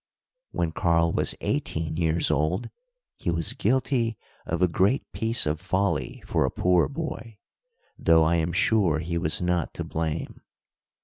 When Karl was eighteen years old, he was guilty of a great piece of folly for a poor boy, though I am sure he was not to blame.